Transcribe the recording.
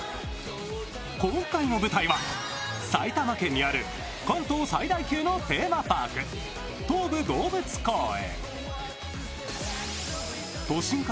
今回の舞台は埼玉県にある関東最大級のテーマパーク、東武動物公園。